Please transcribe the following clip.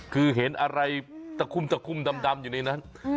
คือเห็นอะไรตะคุ่มตะคุ่มดำอยู่ในนั้น